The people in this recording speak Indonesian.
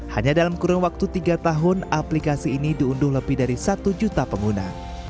hanya dalam kurun waktu tiga tahun aplikasi ini diunduh lebih dari satu juta pengguna